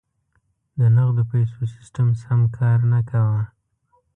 د نغدو پیسو سیستم سم کار نه کاوه.